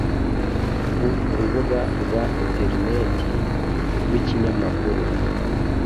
ku rubuga rwa interineti rw’ikinyamakuru